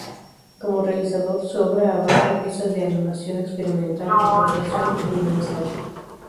Como realizador, su obra abarca piezas de animación experimental, apropiación y vídeo–ensayo.